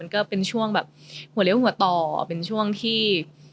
ก็เป็นช่วงแบบหัวเลี้ยวหัวต่อเป็นช่วงที่